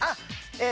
え⁉